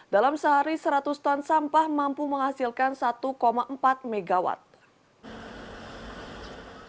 dalam sehari seratus ton sampah mampu menghasilkan satu empat megawatt